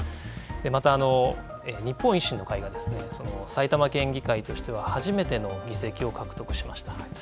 また、日本維新の会が埼玉県議会としては初めての議席を獲得しました。